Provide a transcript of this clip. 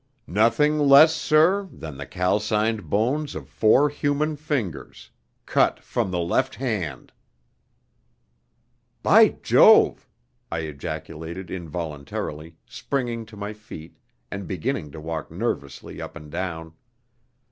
Nothing less, sir, than the calcined bones of four human fingers, cut from the left hand!" "By Jove!" I ejaculated involuntarily, springing to my feet, and beginning to walk nervously up and down.